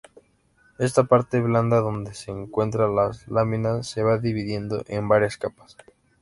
Esta parte blanda donde se encuentran las láminas se va dividiendo en varias capas.